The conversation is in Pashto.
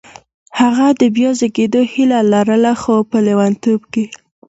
هغه د بیا زېږېدو هیله لرله خو په لېونتوب کې